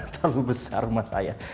terlalu besar rumah saya